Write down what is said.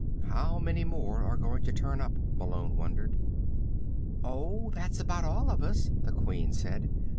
How many more are going to turn up? Malone wondered. "Oh, that's about all of us," the Queen said.